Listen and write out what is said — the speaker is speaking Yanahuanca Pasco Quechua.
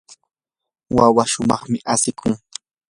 wawaa shumaqmi asikun.